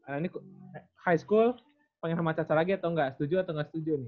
nah ini high school pengen sama caca lagi atau nggak setuju atau nggak setuju nih